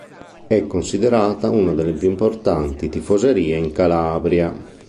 È Considerata una delle più importanti tifoserie in Calabria.